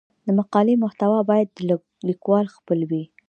د مقالې محتوا باید د لیکوال خپل وي.